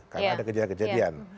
karena ada kejadian kejadian